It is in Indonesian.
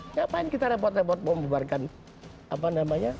ngapain kita repot repot mau membubarkan apa namanya